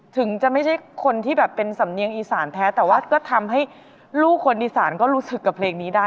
ถึงจะไม่ใช่คนที่แบบเป็นสำเนียงอีสานแท้แต่ว่าก็ทำให้ลูกคนอีสานก็รู้สึกกับเพลงนี้ได้